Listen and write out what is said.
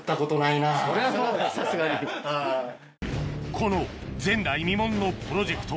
この前代未聞のプロジェクト